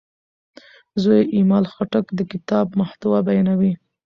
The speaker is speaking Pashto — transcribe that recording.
زوی یې ایمل خټک د کتاب محتوا بیانوي.